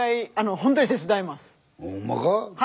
ほんまに。